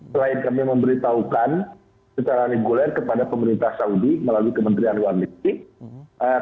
selain kami memberitahukan secara reguler kepada pemerintah saudi melalui kementerian luar negeri